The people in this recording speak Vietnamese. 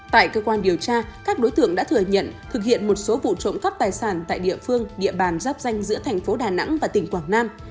tại cơ quan điều tra các đối tượng đã thừa nhận thực hiện một số vụ trộm cắp tài sản tại địa phương địa bàn giáp danh giữa thành phố đà nẵng và tỉnh quảng nam